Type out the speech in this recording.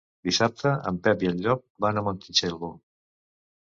Dissabte en Pep i en Llop van a Montitxelvo.